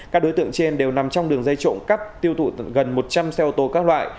các đối tượng trên đều nằm trong đường dây trộm cắp tiêu thụ gần một trăm linh xe ô tô các loại